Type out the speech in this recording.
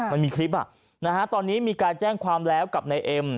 มันมีคลิปตอนนี้มีการแจ้งความแล้วกับนายเอ็ม